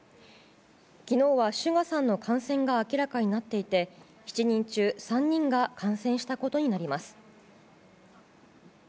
昨日は、ＳＵＧＡさんの感染が明らかになっていて７人中３人が感染したことになります。